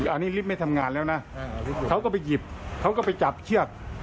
อันนี้ลิฟต์ไม่ทำงานแล้วนะเขาก็ไปหยิบเขาก็ไปจับเชือก